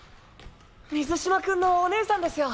水嶋君のお姉さんですよ。